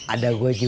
ada gua juga